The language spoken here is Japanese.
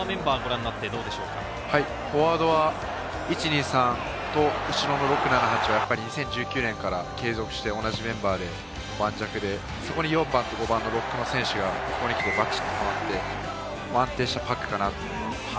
フォワードは１、２、３と後ろの６、７、８を２０１９年から継続して同じメンバーで盤石で、そこに４番と５番のロックの選手がバチッとハマって、安定したパックかなと思います。